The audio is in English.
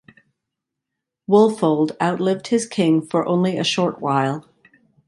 Wulfoald outlived his king for only a short while.